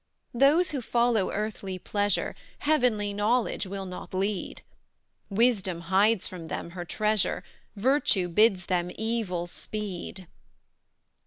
"Those who follow earthly pleasure, Heavenly knowledge will not lead; Wisdom hides from them her treasure, Virtue bids them evil speed!